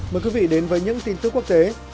mời quý vị đến với những tin tức quốc tế